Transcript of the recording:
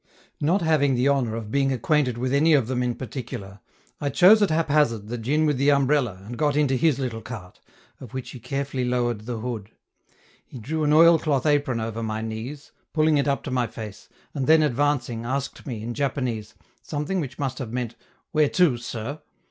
Not having the honor of being acquainted with any of them in particular, I chose at haphazard the djin with the umbrella and got into his little cart, of which he carefully lowered the hood. He drew an oilcloth apron over my knees, pulling it up to my face, and then advancing, asked me, in Japanese, something which must have meant: "Where to, sir?"